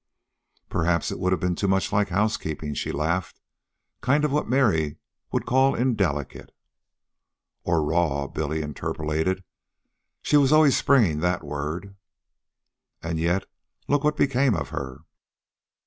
"Perhaps it would have been too much like housekeeping," she laughed; "kind of what Mary would call indelicate " "Or raw," Billy interpolated. "She was always springin' that word." "And yet look what became of her."